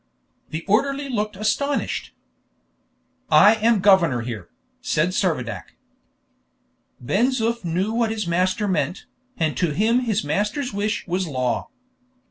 The orderly looked astonished. "I am governor here," said Servadac. Ben Zoof knew what his master meant, and to him his master's wish was law.